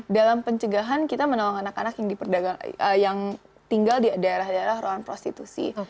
dalam pencegahan kita menolong anak anak yang tinggal di daerah daerah ruang prostitusi